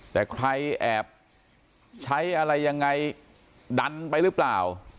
แต่ใครแอบใช้อะไรยังไงดันไปหรือเปล่า